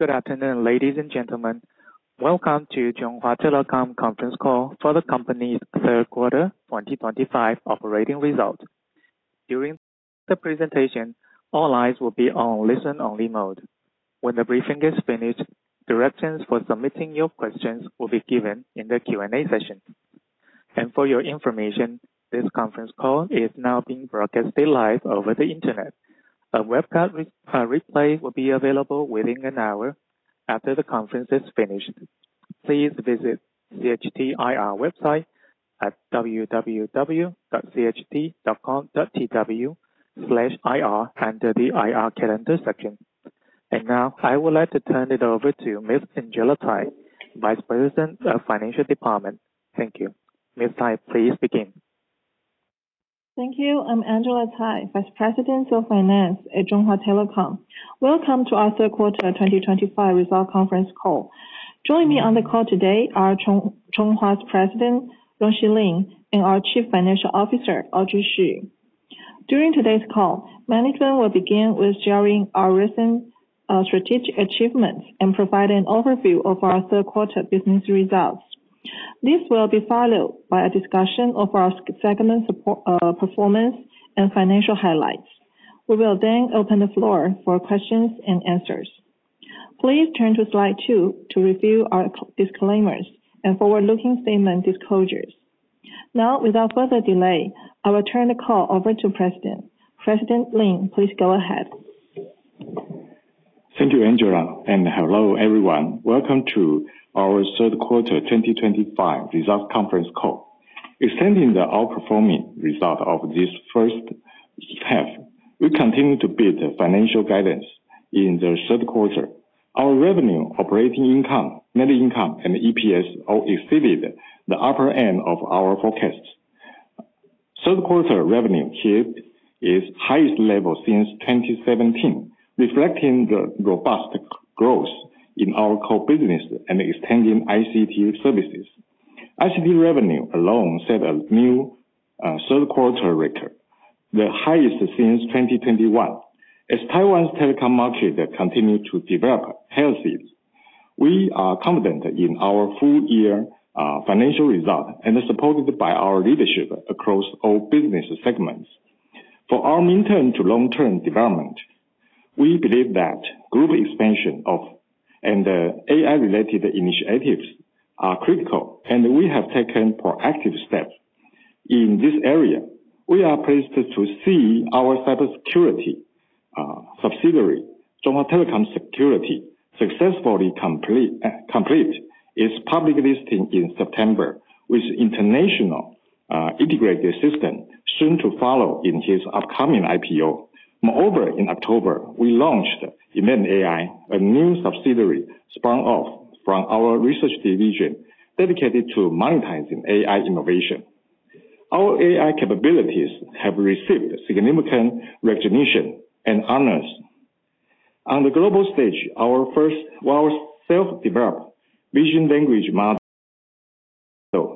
Good afternoon, ladies and gentlemen. Welcome to Chunghwa Telecom Conference Call for the company's third quarter 2025 operating results. During the presentation, all lines will be on listen-only mode. When the briefing is finished, directions for submitting your questions will be given in the Q&A session. For your information, this conference call is now being broadcast live over the internet. A webcam replay will be available within an hour after the conference is finished. Please visit CHT IR website at www.cht.com.tw/ir under the IR calendar section. Now I would like to turn it over to Ms. Angela Tsai, Vice President of Finance. Thank you. Ms. Tsai, please begin. Thank you. I'm Angela Tsai, Vice President of Finance at Chunghwa Telecom. Welcome to our third quarter 2025 results conference call. Joining me on the call today are Chunghwa's President, Rong-Shy Lin, and our Chief Financial Officer, Audrey Hsu. During today's call, management will begin with sharing our recent strategic achievements and providing an overview of our third quarter business results. This will be followed by a discussion of our segment performance and financial highlights. We will then open the floor for questions and answers. Please turn to slide two to review our disclaimers and forward-looking statement disclosures. Now, without further delay, I will turn the call over to President. President Lin, please go ahead. Thank you, Angela. Hello, everyone. Welcome to our third quarter 2025 results conference call. Extending the outperforming result of this first half, we continue to beat the financial guidance in the third quarter. Our revenue, operating income, net income, and EPS all exceeded the upper end of our forecasts. Third quarter revenue hit its highest level since 2017, reflecting the robust growth in our core business and extending ICT services. ICT revenue alone set a new third quarter record, the highest since 2021. As Taiwan's telecom market continues to develop healthily, we are confident in our full-year financial result and supported by our leadership across all business segments. For our mid-term to long-term development, we believe that group expansion and AI-related initiatives are critical, and we have taken proactive steps in this area. We are pleased to see our cybersecurity. Subsidiary, Chunghwa Telecom Security, successfully completed its public listing in September, with International Integrated Systems soon to follow in its upcoming IPO. Moreover, in October, we launched Event AI, a new subsidiary spun off from our research division dedicated to monetizing AI innovation. Our AI capabilities have received significant recognition and honors. On the global stage, our first self-developed vision language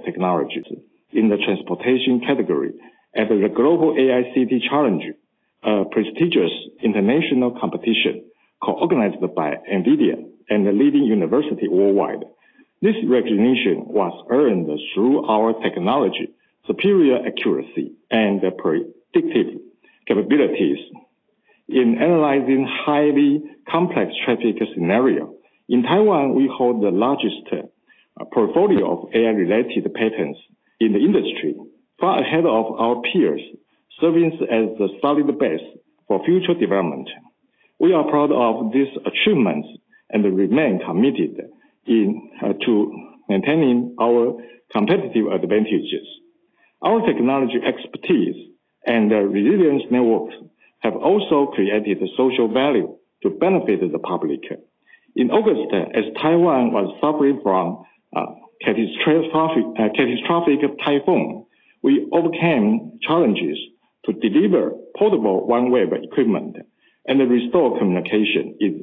technology in the transportation category at the Global AI City Challenge, a prestigious international competition co-organized by NVIDIA and the leading university worldwide. This recognition was earned through our technology, superior accuracy, and predictive capabilities in analyzing highly complex traffic scenarios. In Taiwan, we hold the largest portfolio of AI-related patents in the industry, far ahead of our peers, serving as the solid base for future development. We are proud of these achievements and remain committed to maintaining our competitive advantages. Our technology expertise and resilient networks have also created social value to benefit the public. In August, as Taiwan was suffering from a catastrophic typhoon, we overcame challenges to deliver portable one-way equipment and restore communication in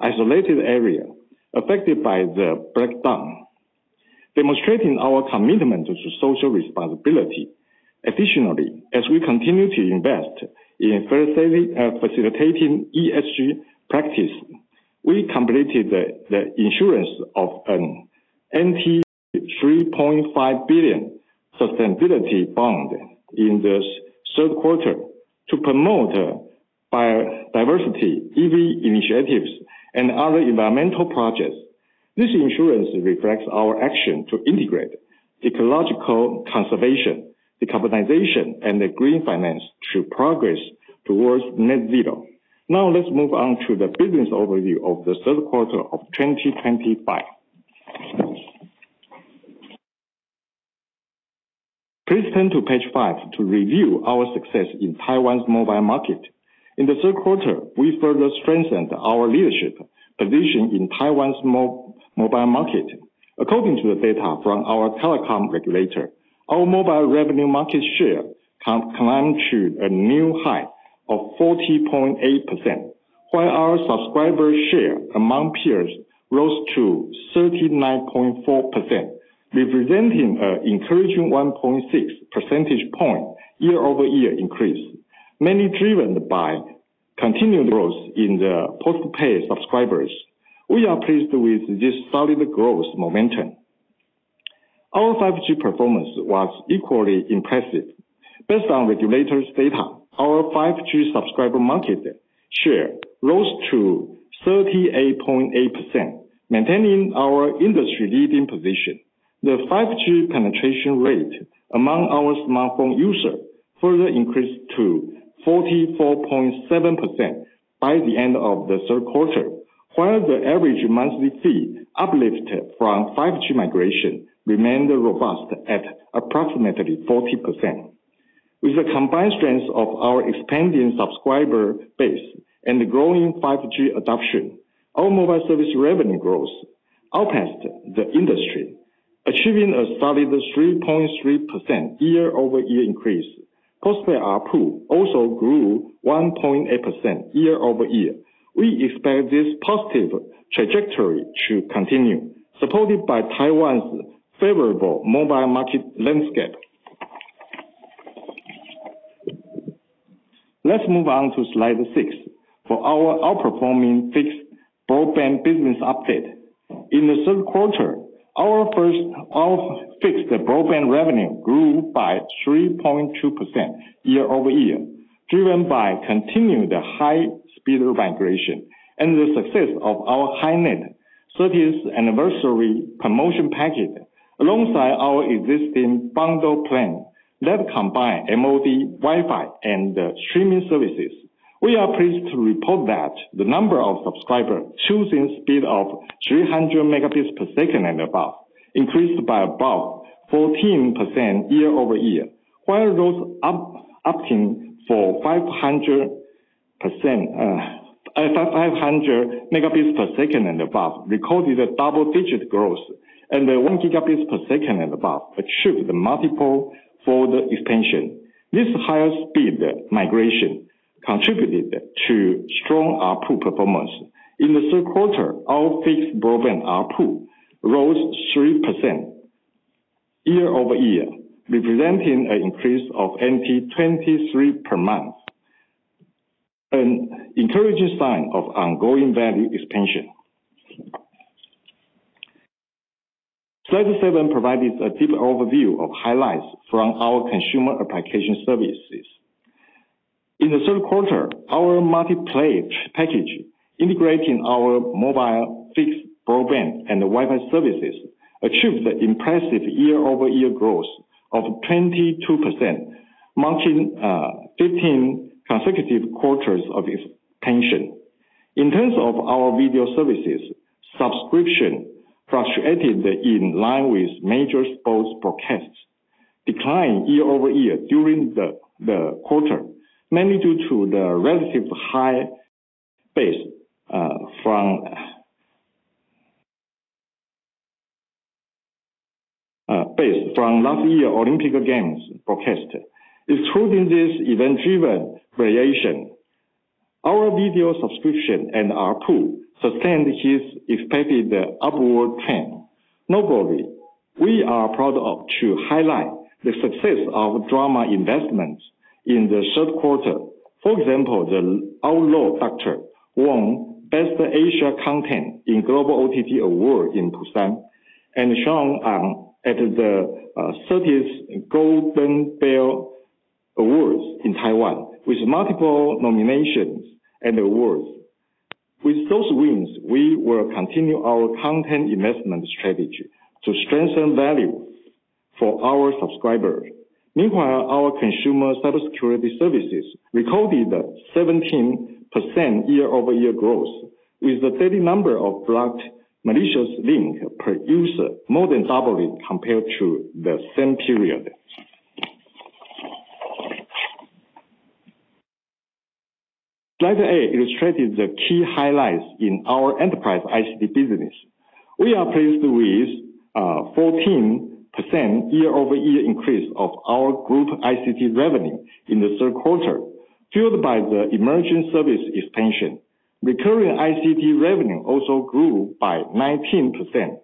isolated areas affected by the breakdown, demonstrating our commitment to social responsibility. Additionally, as we continue to invest in facilitating ESG practice, we completed the issuance of an 3.5 billion sustainability bond in the third quarter to promote biodiversity, EV initiatives, and other environmental projects. This issuance reflects our action to integrate ecological conservation, decarbonization, and green finance to progress towards net zero. Now, let's move on to the business overview of the third quarter of 2025. Please turn to page five to review our success in Taiwan's mobile market. In the third quarter, we further strengthened our leadership position in Taiwan's mobile market. According to the data from our telecom regulator, our mobile revenue market share climbed to a new high of 40.8%, while our subscriber share among peers rose to 39.4%, representing an encouraging 1.6% point year-over-year increase, mainly driven by continued growth in the post-pay subscribers. We are pleased with this solid growth momentum. Our 5G performance was equally impressive. Based on regulators' data, our 5G subscriber market share rose to 38.8%, maintaining our industry-leading position. The 5G penetration rate among our smartphone users further increased to 44.7% by the end of the third quarter, while the average monthly fee uplift from 5G migration remained robust at approximately 40%. With the combined strength of our expanding subscriber base and growing 5G adoption, our mobile service revenue growth outpaced the industry, achieving a solid 3.3% year-over-year increase. Post-pay also grew 1.8% year-over-year. We expect this positive trajectory to continue, supported by Taiwan's favorable mobile market landscape. Let's move on to slide six for our outperforming fixed broadband business update. In the third quarter, our fixed broadband revenue grew by 3.2% year-over-year, driven by continued high-speed migration and the success of our High-Net 30th Anniversary Promotion Packet alongside our existing bundle plan that combines MOD, Wi-Fi, and streaming services. We are pleased to report that the number of subscribers choosing speed of 300 Mbps and above increased by about 14% year-over-year, while those opting for 500 Mbps and above recorded a double-digit growth, and gigabits per second and above achieved multiple folder extensions. This higher speed migration contributed to strong approved performance. In the third quarter, our fixed broadband approved rose 3% year-over-year, representing an increase of 23 per month. An encouraging sign of ongoing value expansion. Slide seven provided a deeper overview of highlights from our consumer application services. In the third quarter, our multi-play package, integrating our mobile, fixed broadband, and Wi-Fi services, achieved an impressive year-over-year growth of 22%, marking 15 consecutive quarters of expansion. In terms of our video services, subscription fluctuated in line with major sports broadcasts, declining year-over-year during the quarter, mainly due to the relatively high base from last year's Olympic Games broadcast. Excluding this event-driven variation, our video subscription and approved sustained its expected upward trend. Notably, we are proud to highlight the success of drama investments in the third quarter. For example, the Outlaw Doctor won Best Asia Content in Global OTT Award in Busan and Shang An at the 30th Golden Bell Awards in Taiwan, with multiple nominations and awards. With those wins, we will continue our content investment strategy to strengthen value for our subscribers. Meanwhile, our consumer cybersecurity services recorded 17% year-over-year growth, with the daily number of blocked malicious links per user more than doubling compared to the same period. Slide eight illustrated the key highlights in our enterprise ICT business. We are pleased with a 14% year-over-year increase of our group ICT revenue in the third quarter, fueled by the emerging service expansion. Recurring ICT revenue also grew by 19%,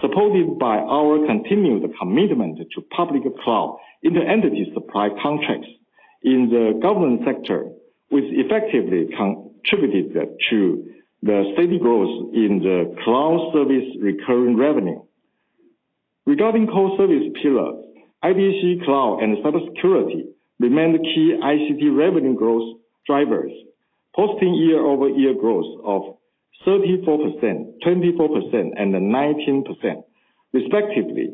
supported by our continued commitment to public cloud inter-entity supply contracts in the government sector, which effectively contributed to the steady growth in the cloud service recurring revenue. Regarding core service pillars, IBC Cloud and cybersecurity remained key ICT revenue growth drivers, posting year-over-year growth of 34%, 24%, and 19%, respectively,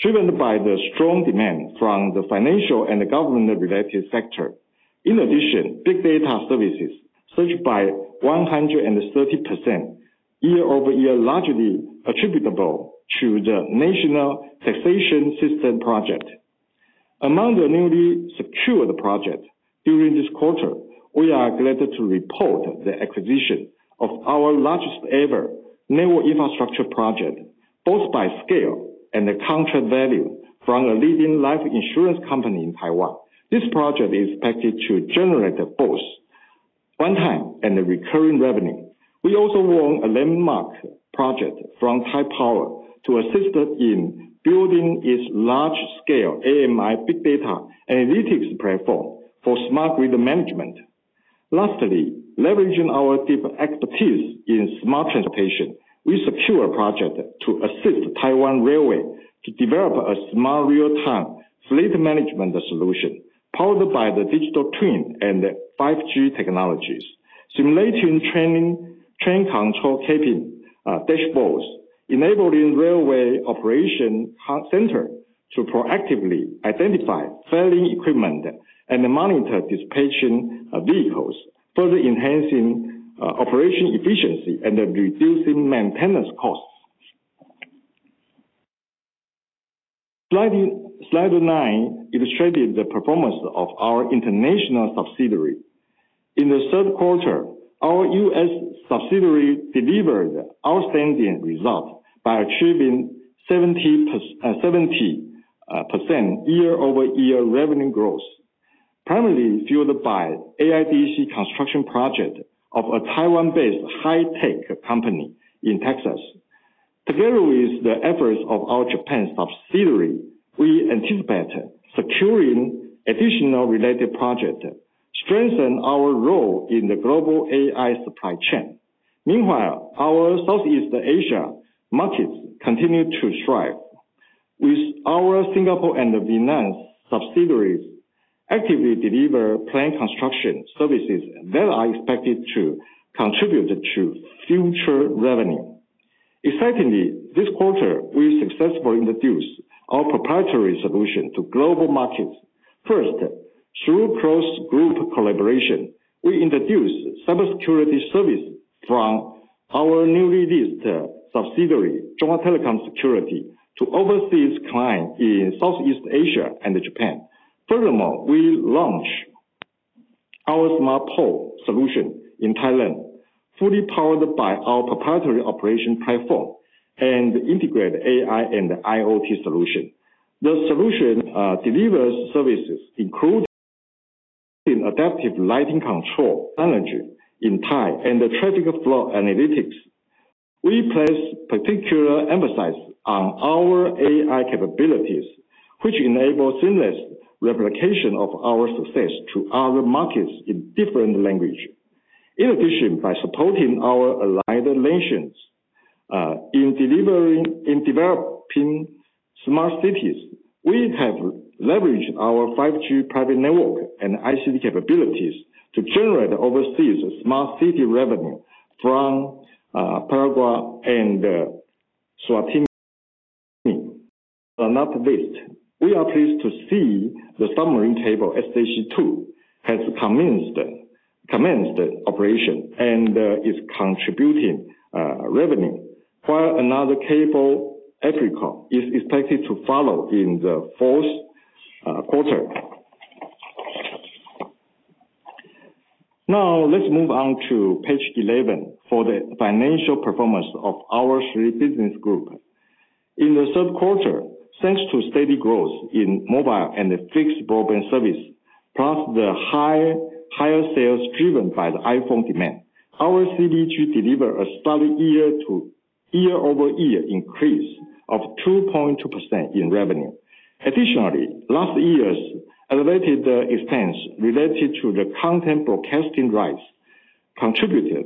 driven by the strong demand from the financial and government-related sector. In addition, big data services surged by 130% year-over-year, largely attributable to the National Taxation System project. Among the newly secured projects during this quarter, we are glad to report the acquisition of our largest-ever network infrastructure project, both by scale and the contract value from a leading life insurance company in Taiwan. This project is expected to generate both one-time and recurring revenue. We also won a landmark project from Taiwan Power Company to assist in building its large-scale AMI Big Data Analytics Platform for smart grid management. Lastly, leveraging our deep expertise in smart transportation, we secured a project to assist Taiwan Railway to develop a smart real-time fleet management solution powered by the digital twin and 5G technologies, simulating train control capping dashboards, enabling railway operation centers to proactively identify failing equipment and monitor dispatching vehicles, further enhancing operation efficiency and reducing maintenance costs. Slide nine illustrated the performance of our international subsidiary. In the third quarter, our U.S. subsidiary delivered outstanding results by achieving 70% year-over-year revenue growth, primarily fueled by AIDC construction project of a Taiwan-based high-tech company in Texas. Together with the efforts of our Japan subsidiary, we anticipate securing additional related projects to strengthen our role in the global AI supply chain. Meanwhile, our Southeast Asia markets continue to thrive. With our Singapore and the Vietnam subsidiaries actively delivering planned construction services that are expected to contribute to future revenue. Excitingly, this quarter, we successfully introduced our proprietary solution to global markets. First, through close group collaboration, we introduced cybersecurity services from our newly listed subsidiary, Chunghwa Telecom Security, to overseas clients in Southeast Asia and Japan. Furthermore, we launched our smart pole solution in Thailand, fully powered by our proprietary operation platform and integrated AI and IoT solution. The solution delivers services including. Adaptive lighting control, energy in Thailand, and traffic flow analytics. We place particular emphasis on our AI capabilities, which enable seamless replication of our success to other markets in different languages. In addition, by supporting our allied nations in developing smart cities, we have leveraged our 5G private network and ICT capabilities to generate overseas smart city revenue from Paraguay and Eswatini. Not least, we are pleased to see the submarine cable SH-2 has commenced operation and is contributing revenue, while another cable, EPRICO, is expected to follow in the fourth quarter. Now, let's move on to page 11 for the financial performance of our three business groups. In the third quarter, thanks to steady growth in mobile and fixed broadband service, plus the higher sales driven by the iPhone demand, our CBG delivered a solid year-over-year increase of 2.2% in revenue. Additionally, last year's elevated expense related to the content broadcasting rights contributed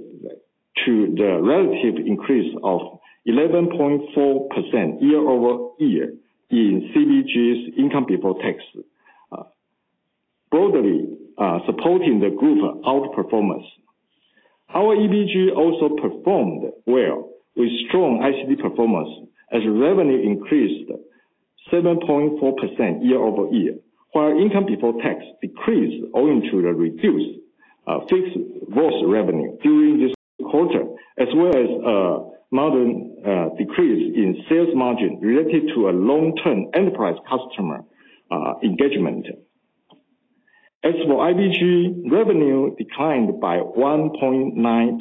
to the relative increase of 11.4% year-over-year in CBG's income before tax, broadly supporting the group outperformance. Our EBG also performed well with strong ICT performance as revenue increased 7.4% year-over-year, while income before tax decreased owing to the reduced fixed gross revenue during this quarter, as well as a modern decrease in sales margin related to long-term enterprise customer engagement. As for IBG, revenue declined by 1.9%,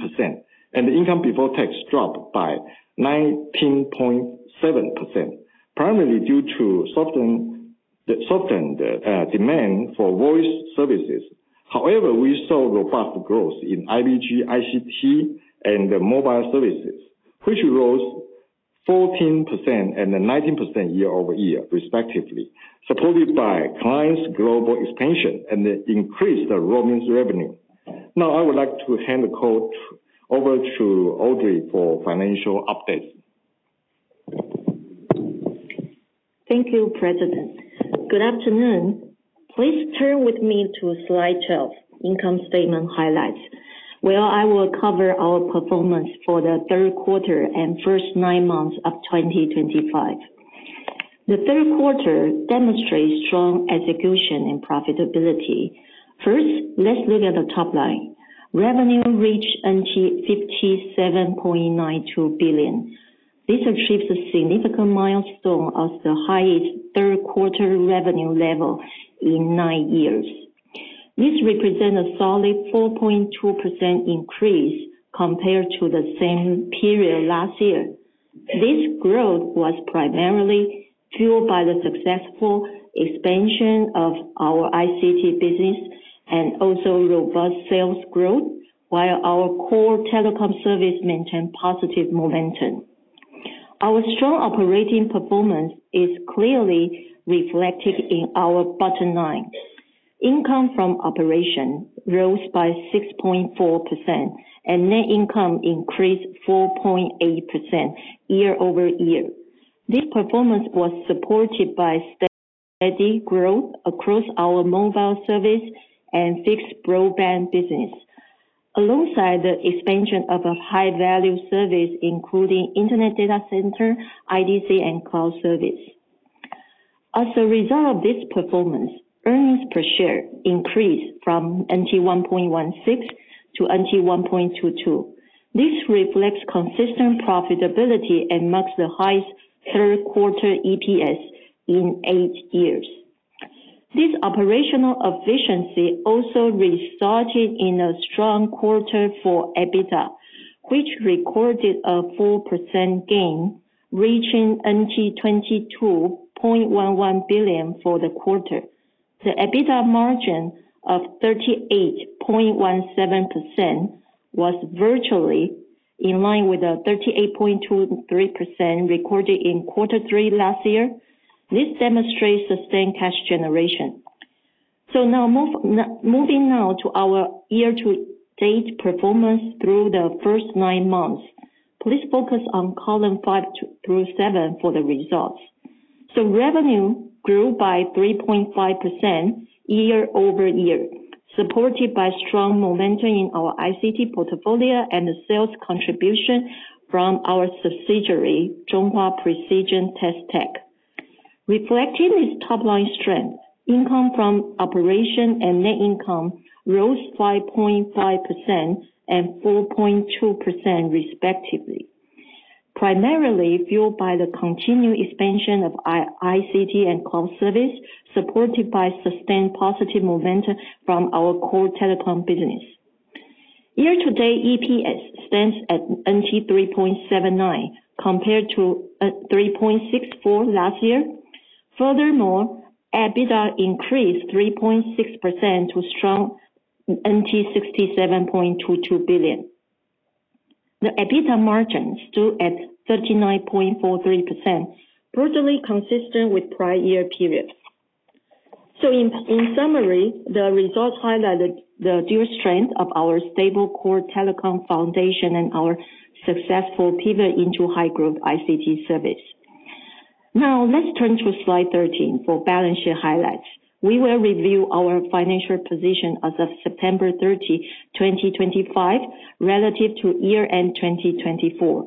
and income before tax dropped by 19.7%, primarily due to softened demand for voice services. However, we saw robust growth in IBG, ICT, and mobile services, which rose 14% and 19% year-over-year, respectively, supported by clients' global expansion and the increased roaming revenue. Now, I would like to hand the call over to Audrey for financial updates. Thank you, President. Good afternoon. Please turn with me to slide 12, Income Statement Highlights, where I will cover our performance for the third quarter and first nine months of 2025. The third quarter demonstrates strong execution and profitability. First, let's look at the top line. Revenue reached NTD 57.92 billion. This achieves a significant milestone as the highest third-quarter revenue level in nine years. This represents a solid 4.2% increase compared to the same period last year. This growth was primarily fueled by the successful expansion of our ICT business and also robust sales growth, while our core telecom service maintained positive momentum. Our strong operating performance is clearly reflected in our bottom line. Income from operations rose by 6.4%, and net income increased 4.8% year-over-year. This performance was supported by steady growth across our mobile service and fixed broadband business. Alongside the expansion of a high-value service, including Internet Data Center, IDC, and cloud service. As a result of this performance, earnings per share increased from NTD 1.16 to NTD 1.22. This reflects consistent profitability and marks the highest third-quarter EPS in eight years. This operational efficiency also resulted in a strong quarter for EBITDA, which recorded a 4% gain, reaching NTD 22.11 billion for the quarter. The EBITDA margin of 38.17% was virtually in line with the 38.23% recorded in quarter three last year. This demonstrates sustained cash generation. Moving now to our year-to-date performance through the first nine months, please focus on column five through seven for the results. Revenue grew by 3.5% year-over-year, supported by strong momentum in our ICT portfolio and the sales contribution from our subsidiary, Chunghwa Precision Test Tech. Reflecting this top-line strength, income from operations and net income rose 5.5% and 4.2%, respectively. Primarily fueled by the continued expansion of ICT and cloud service, supported by sustained positive momentum from our core telecom business. Year-to-date EPS stands at NTD 3.79 compared to NTD 3.64 last year. Furthermore, EBITDA increased 3.6% to a strong NTD 67.22 billion. The EBITDA margin stood at 39.43%, totally consistent with prior year periods. In summary, the results highlighted the dual strength of our stable core telecom foundation and our successful pivot into high-growth ICT service. Now, let's turn to slide 13 for balance sheet highlights. We will review our financial position as of September 30, 2025, relative to year-end 2024.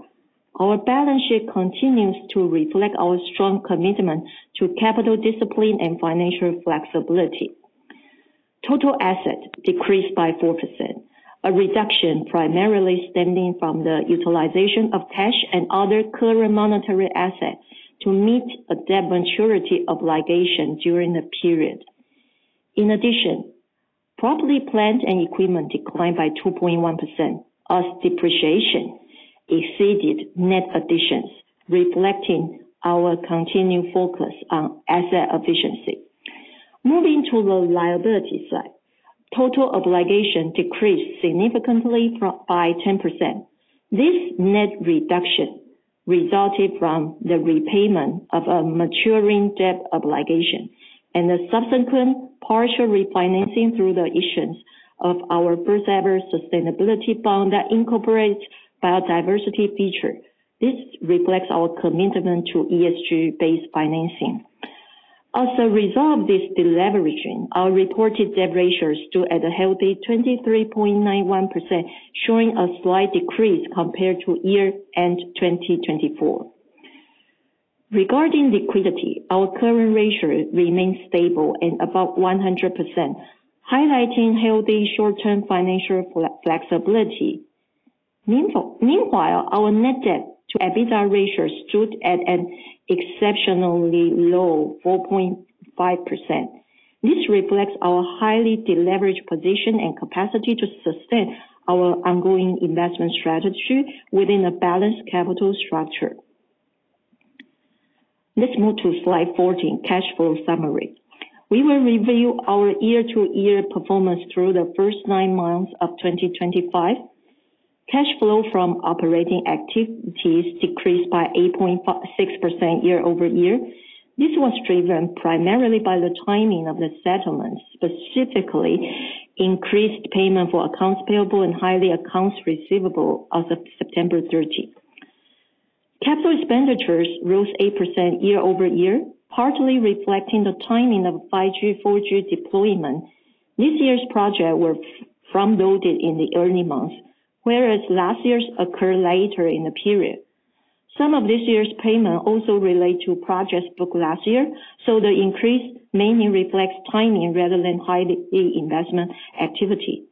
Our balance sheet continues to reflect our strong commitment to capital discipline and financial flexibility. Total asset decreased by 4%, a reduction primarily stemming from the utilization of cash and other current monetary assets to meet a debt maturity obligation during the period. In addition, property, plant and equipment declined by 2.1% as depreciation exceeded net additions, reflecting our continued focus on asset efficiency. Moving to the liability side, total obligation decreased significantly by 10%. This net reduction resulted from the repayment of a maturing debt obligation and the subsequent partial refinancing through the issuance of our first-ever sustainability bond that incorporates biodiversity features. This reflects our commitment to ESG-based financing. As a result of this deleveraging, our reported debt ratio stood at a healthy 23.91%, showing a slight decrease compared to year-end 2024. Regarding liquidity, our current ratio remains stable and above 100%, highlighting healthy short-term financial flexibility. Meanwhile, our net debt-to-EBITDA ratio stood at an exceptionally low 4.5%. This reflects our highly deleveraged position and capacity to sustain our ongoing investment strategy within a balanced capital structure. Let's move to slide 14, Cash Flow Summary. We will review our year-to-year performance through the first nine months of 2025. Cash flow from operating activities decreased by 8.6% year-over-year. This was driven primarily by the timing of the settlements, specifically increased payment for accounts payable and highly accounts receivable as of September 30. Capital expenditures rose 8% year-over-year, partly reflecting the timing of 5G/4G deployment. This year's projects were front-loaded in the early months, whereas last year's occurred later in the period. Some of this year's payments also relate to projects booked last year, so the increase mainly reflects timing rather than highly investment activity.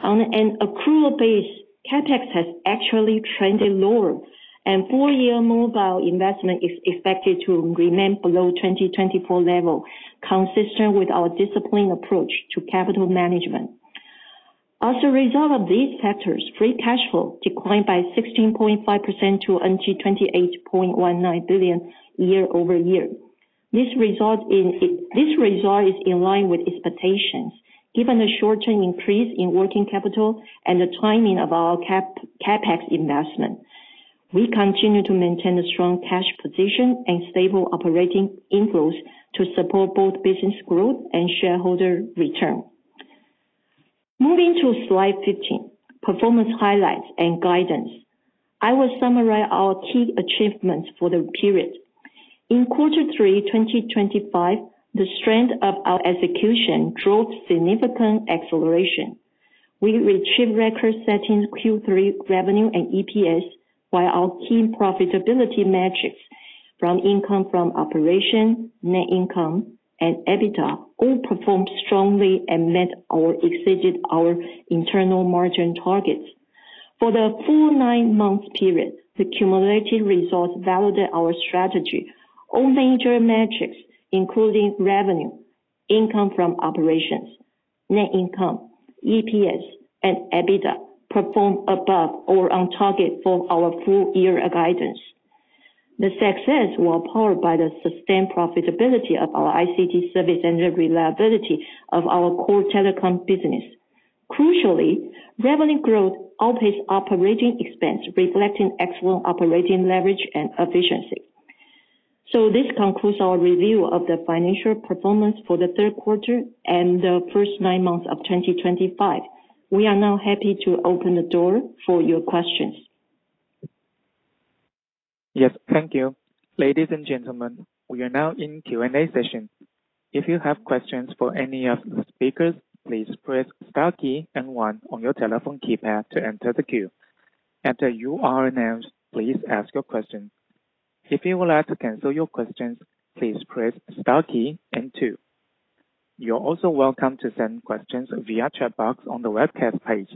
On an accrual base, CapEx has actually trended lower, and four-year mobile investment is expected to remain below 2024 level, consistent with our disciplined approach to capital management. As a result of these factors, free cash flow declined by 16.5% to NTD 28.19 billion year-over-year. This result is in line with expectations, given the short-term increase in working capital and the timing of our CapEx investment. We continue to maintain a strong cash position and stable operating inflows to support both business growth and shareholder return. Moving to slide 15, Performance Highlights and Guidance. I will summarize our key achievements for the period. In quarter three 2025, the strength of our execution drove significant acceleration. We achieved record-setting Q3 revenue and EPS, while our key profitability metrics from income from operations, net income, and EBITDA all performed strongly and met or exceeded our internal margin targets. For the full nine-month period, the cumulative results validated our strategy. All major metrics, including revenue, income from operations, net income, EPS, and EBITDA, performed above or on target for our full-year guidance. The success was powered by the sustained profitability of our ICT services and the reliability of our core telecom business. Crucially, revenue growth outpaced operating expense, reflecting excellent operating leverage and efficiency. This concludes our review of the financial performance for the third quarter and the first nine months of 2025. We are now happy to open the door for your questions. Yes, thank you. Ladies and gentlemen, we are now in Q&A session. If you have questions for any of the speakers, please press Star key and One on your telephone keypad to enter the queue. Enter your RNNs. Please ask your questions. If you would like to cancel your questions, please press Star key and Two. You're also welcome to send questions via chat box on the webcast page.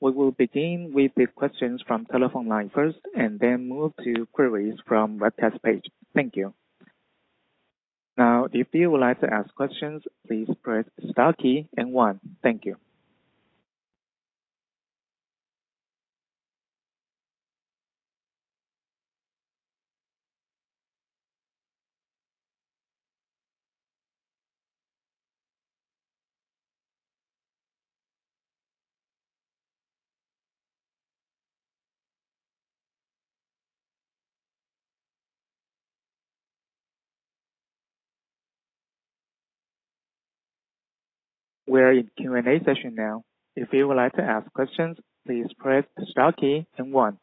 We will begin with the questions from telephone line first and then move to queries from webcast page. Thank you. Now, if you would like to ask questions, please press Star key and One. Thank you. We are in Q&A session now. If you would like to ask questions, please press Star key and One.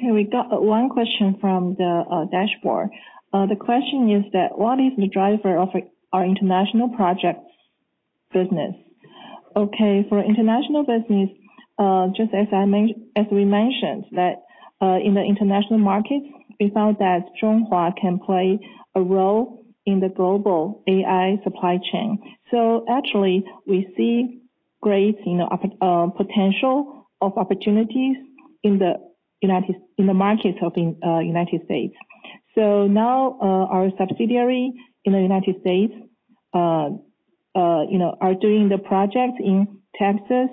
Okay, we got one question from the dashboard. The question is that, what is the driver of our international project business? Okay, for international business. Just as I mentioned, that in the international markets, we found that Chunghwa can play a role in the global AI supply chain. So actually, we see great potential of opportunities in the markets of the United States. Our subsidiary in the United States is doing the project in Texas.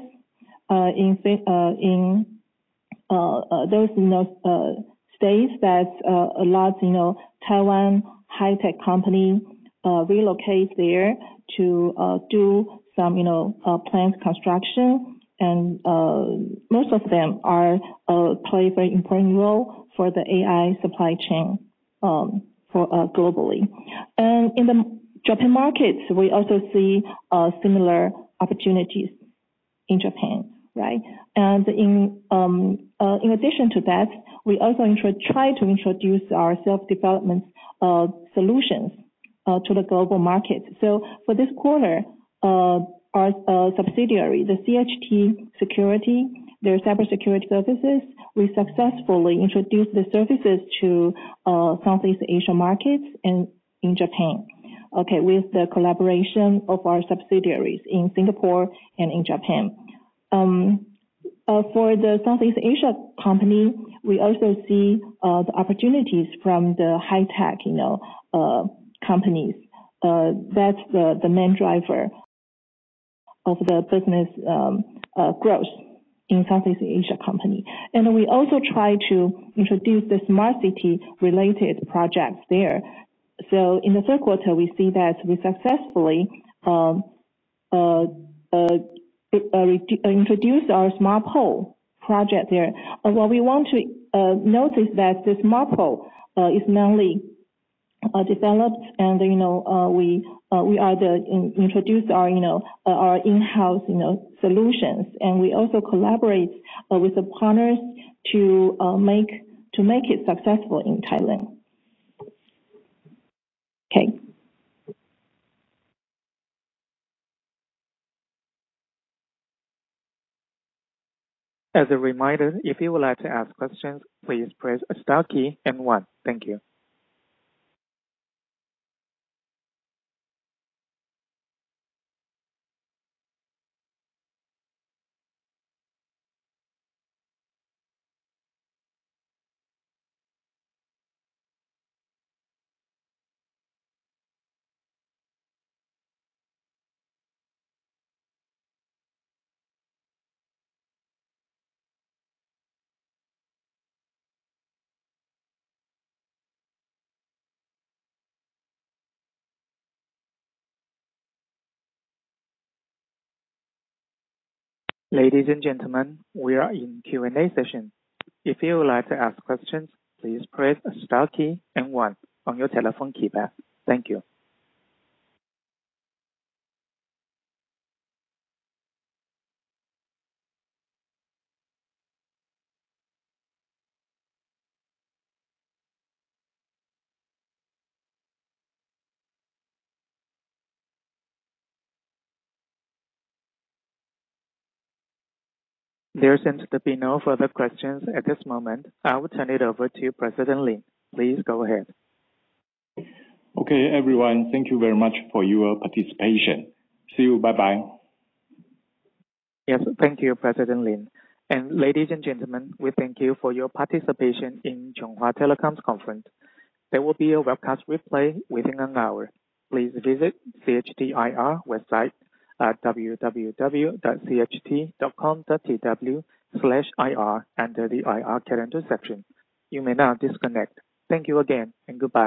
In those states that allowed Taiwan high-tech company relocate there to do some plant construction. Most of them play a very important role for the AI supply chain globally. In the Japan market, we also see similar opportunities in Japan, right? In addition to that, we also try to introduce our self-development solutions to the global market. For this quarter, our subsidiary, the CHT Security, their cybersecurity services, we successfully introduced the services to Southeast Asia markets and in Japan, with the collaboration of our subsidiaries in Singapore and in Japan. For the Southeast Asia company, we also see the opportunities from the high-tech companies. That's the main driver of the business growth in Southeast Asia company. We also try to introduce the smart city-related projects there. In the third quarter, we see that we successfully introduced our smart pole project there. What we want to note is that the smart pole is mainly developed and we introduced our in-house solutions. We also collaborate with the partners to make it successful in Thailand. Okay. As a reminder, if you would like to ask questions, please press Star key and One. Thank you. Ladies and gentlemen, we are in Q&A session. If you would like to ask questions, please press Star key and 1 on your telephone keypad. Thank you. There seems to be no further questions at this moment. I will turn it over to President Lin. Please go ahead. Okay, everyone, thank you very much for your participation. See you. Bye-bye. Yes, thank you, President Lin. And ladies and gentlemen, we thank you for your participation in Chunghwa Telecom's conference. There will be a webcast replay within an hour. Please visit CHT IR website at www.cht.com.tw/ir under the IR calendar section. You may now disconnect. Thank you again and goodbye.